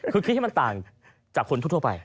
คือคิดให้มันต่างจากคนทั่วไป